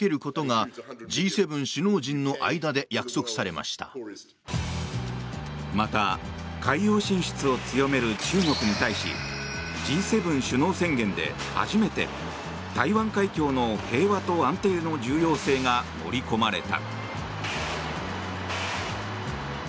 また、海洋進出を強める中国に対しＧ７首脳宣言で初めて台湾海峡の平和と安定の重要性が盛り込まれた。